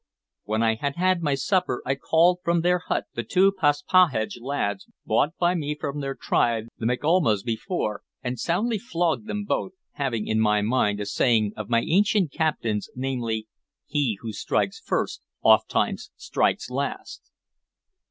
When I had had my supper, I called from their hut the two Paspahegh lads bought by me from their tribe the Michaelmas before, and soundly flogged them both, having in my mind a saying of my ancient captain's, namely, "He who strikes first oft times strikes last."